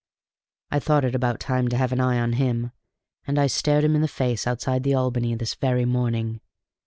I thought it about time to have an eye on him, and I stared him in the face outside the Albany this very morning.